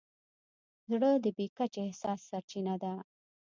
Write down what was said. زړه د بې کچې احساس سرچینه ده.